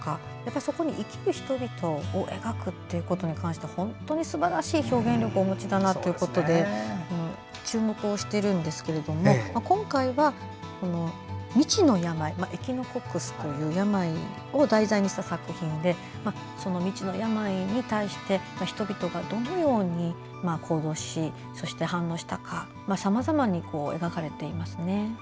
そこに生きる人々を描くということに関して本当にすばらしい表現力をお持ちだなということで注目をしているんですけれども今回は、未知の病エキノコックスという病を題材にした作品で未知の病に対して人々がどのように行動しそして反応したかさまざまに描かれていますね。